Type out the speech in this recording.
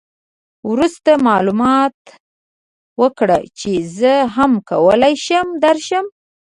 وروسته معلومات وکړه چې زه هم کولای شم درشم.